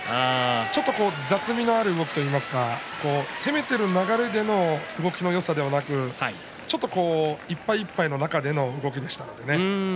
ちょっと雑味のある動きといいますか攻めている流れでの動きのよさではなくちょっと、いっぱいいっぱいの中での動きでしたね。